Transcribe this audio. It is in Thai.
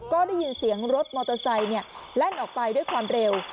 ก็ได้ยินเสียงรถมอเตอร์ไซค์แล่นออกไปด้วยความเร็ว